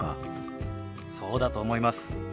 そうだと思います。